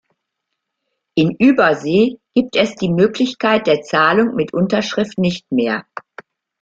In Übersee gibt es die Möglichkeit der Zahlung mit Unterschrift nicht mehr.